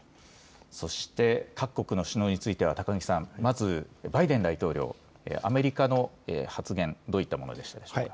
そして各国の首脳については高木さん、まずバイデン大統領、アメリカの発言どういったものでしょうか。